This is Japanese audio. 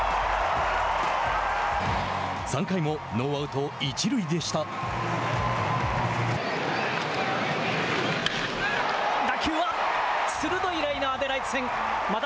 ３回もノーアウト、一塁でした。